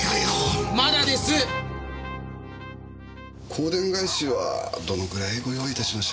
香典返しはどのくらいご用意致しましょう？